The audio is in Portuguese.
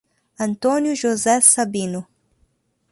Antônio José Sabino